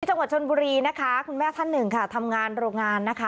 จังหวัดชนบุรีนะคะคุณแม่ท่านหนึ่งค่ะทำงานโรงงานนะคะ